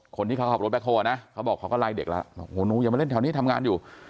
คนที่เขาขับรถแบ็คโฮลนะเขาบอกเขาก็ไล่เด็กแล้วบอกโหหนูอย่ามาเล่นแถวนี้ทำงานอยู่